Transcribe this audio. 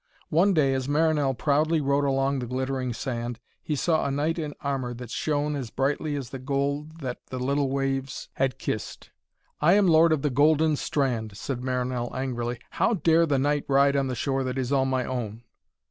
One day as Marinell proudly rode along the glittering sand, he saw a knight in armour that shone as brightly as the gold that the little waves had kissed. 'I am Lord of the Golden Strand!' said Marinell angrily, 'how dare the knight ride on the shore that is all my own!'